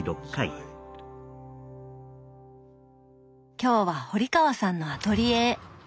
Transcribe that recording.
今日は堀川さんのアトリエへ。